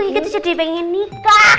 kike tuh jadi pengen nikah